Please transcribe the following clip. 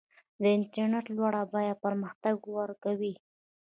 د انټرنیټ لوړه بیه پرمختګ ورو کوي.